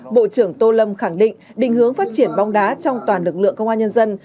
bộ trưởng tô lâm khẳng định định hướng phát triển bóng đá trong toàn lực lượng công an nhân dân